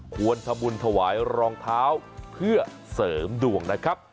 ควรทำบุญถวายรองเท้าเพื่อเสริมดวงนะครับ